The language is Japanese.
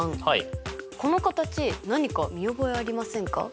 この形何か見覚えありませんか？